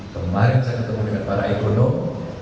kemarin saya ketemu dengan para ekonom